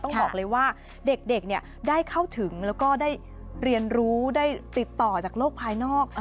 ต้องบอกเลยว่าเด็กได้เข้าถึงแล้วก็ได้เรียนรู้ได้ติดต่อจากโลกภายนอก